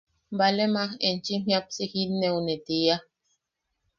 ‘baale maj enchim jiapsi jinneʼuneʼ, tia.